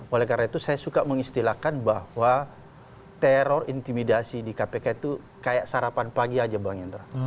oleh karena itu saya suka mengistilahkan bahwa teror intimidasi di kpk itu kayak sarapan pagi aja bang indra